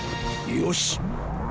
よし！